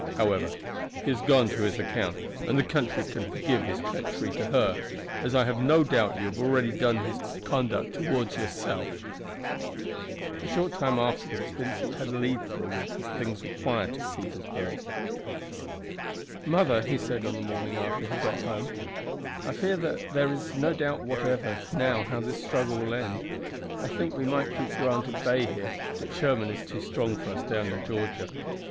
However, he has gone to his account, and the country can forgive his treachery to her, as I have no doubt you have already done his conduct toward yourself." A short time afterward Vincent had leave for a week, as things were quiet at Petersburg. "Mother," he said on the morning after he got home, "I fear that there is no doubt whatever now how this struggle will end. I think we might keep Grant at bay here, but Sherman is too strong for us down in Georgia.